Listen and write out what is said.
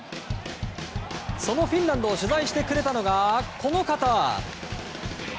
そのフィンランドを取材してくれたのが、この方。